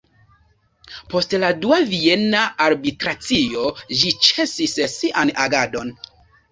Post la Dua Viena Arbitracio ĝi ĉesis sian agadon.